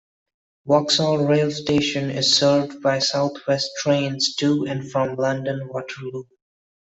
Vauxhall rail station is served by South West Trains to and from London Waterloo.